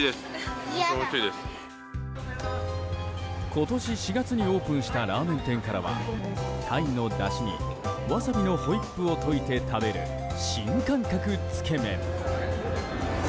今年４月にオープンしたラーメン店からは鯛のだしにワサビのホイップを溶いて食べる新感覚つけ麺。